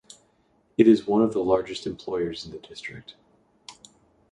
It is one of the largest employers in the district.